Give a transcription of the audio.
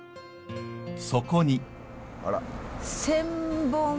そこに。